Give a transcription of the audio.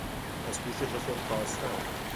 از کوشش خود کاستن